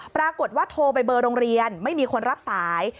ปรากฏว่าโทรไปเบอร์โรงเรียนไม่มีคนรับสาย